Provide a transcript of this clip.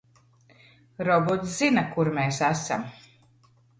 Robots zina, kur mēs esam.